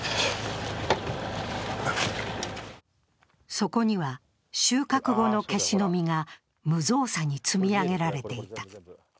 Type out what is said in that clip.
そこには収穫後のケシの実が無造作に積み上げられていた。